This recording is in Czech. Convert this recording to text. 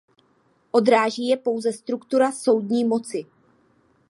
Odráží je pouze struktura soudní moci.